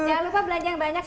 jangan lupa belajar banyak ya